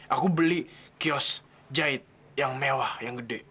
aku beli kios jahit yang mewah yang gede